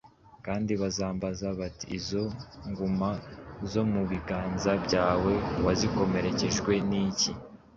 Kandi bazambaza bati: ‘Izo nguma zo mu biganza byawe wazikomerekejwe n’iki?